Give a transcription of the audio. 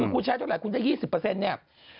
คุณใช้เท่าไหร่คุณได้๒๐เนี่ย